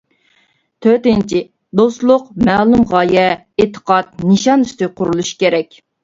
تۆتىنچى، دوستلۇق مەلۇم غايە، ئېتىقاد، نىشان ئۈستىگە قۇرۇلۇشى كېرەك.